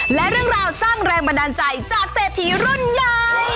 และเรื่องราวสร้างแรงบันดาลใจจากเศรษฐีรุ่นใหญ่